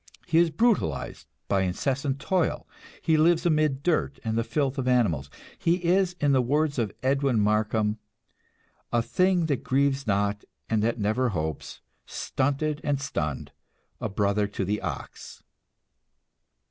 He is brutalized by incessant toil, he lives amid dirt and the filth of animals, he is, in the words of Edwin Markham: "A thing that grieves not and that never hopes, Stunted and stunned, a brother to the ox."